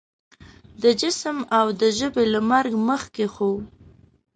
د جسم او د ژبې له مرګ مخکې خو